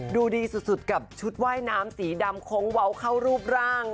ดูดีสุดกับชุดว่ายน้ำสีดำโค้งเว้าเข้ารูปร่าง